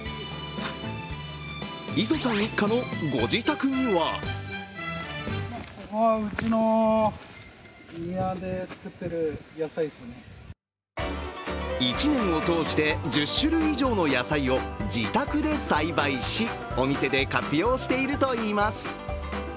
磯さん一家のご自宅には１年を通して１０種類以上の野菜を自宅で栽培し、お店で活用しているといいます。